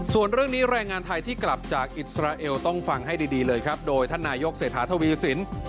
ส่วนเรื่องนี้แรงงานไทยที่กลับจากอิสราเอลต้องฟังให้ดีเลยครับโดยท่านนายกเศรษฐาทวีสิน